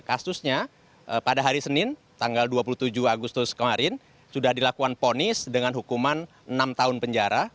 kasusnya pada hari senin tanggal dua puluh tujuh agustus kemarin sudah dilakukan ponis dengan hukuman enam tahun penjara